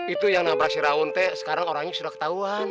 itu yang nabrak shiraun teh sekarang orangnya sudah ketahuan